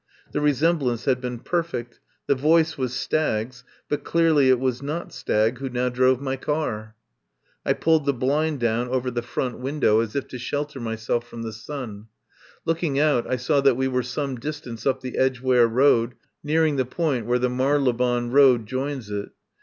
The re semblance had been perfect, the voice was Stagg's, but clearly it was not Stagg who now drove my car. I pulled the blind down over the front win 171 THE POWER HOUSE dow as if to shelter myself from the sun. Looking out I saw that we were some distance up the Edgeware Road, nearing the point where the Marylebone Road joins it.